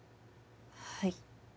はい。